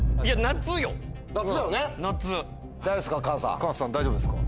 菅さん大丈夫ですか？